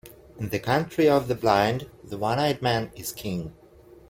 In the country of the blind, the one-eyed man is king.